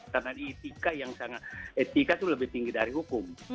karena etika itu lebih tinggi dari hukum